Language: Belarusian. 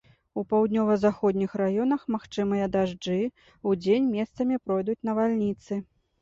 У паўднёва-заходніх раёнах магчымыя дажджы, удзень месцамі пройдуць навальніцы.